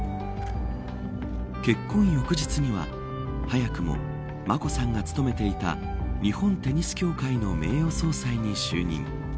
結婚翌日には、早くも眞子さんが務めていた日本テニス協会の名誉総裁に就任。